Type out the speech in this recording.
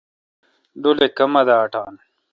ڈولے کما دا اٹان۔